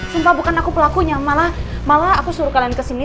sumpah bukan aku pelakunya malah malah aku suruh kalian ke sini